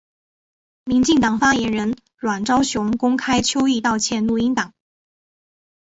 民进党发言人阮昭雄公开邱毅道歉录音档。